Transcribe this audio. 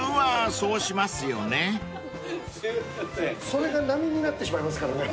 それが並になってしまいますからね。